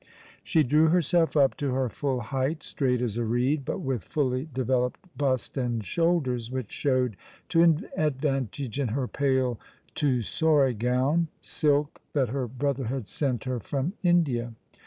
" She drew herself up to her full height, straight as a reed,' but with fully developed bust and shoulders which showed to advantage in her pale tussore gown — silk that her brother had sent her from India.